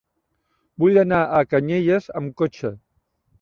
Vull anar a Canyelles amb cotxe.